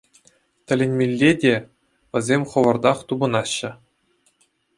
Тӗлӗнмелле те -- вӗсем хӑвӑртах тупӑнаҫҫӗ.